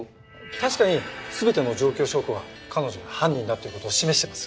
確かに全ての状況証拠は彼女が犯人だって事を示してます。